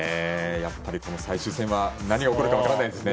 やっぱり最終戦は何が起こるか分からないですね。